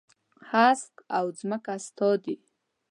هسک او ځمکه ستا دي.